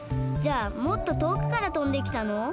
じゃあもっととおくからとんできたの？